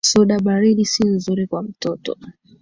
Soda baridi si nzuri kwa mtoto